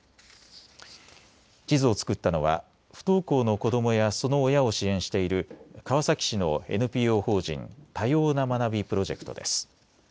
地図を作ったのは不登校の子どもやその親を支援している川崎市のＮＰＯ法人多様な学びプロジェクトです。